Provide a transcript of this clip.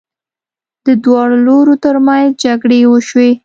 دواړو لورو ترمنځ جګړې وشوې.